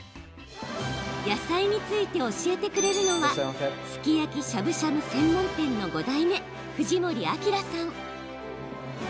野菜について教えてくれるのはすき焼きしゃぶしゃぶ専門店の５代目、藤森朗さん。